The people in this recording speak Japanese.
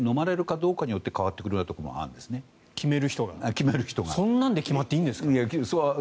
そんなんで決まっていいんですか？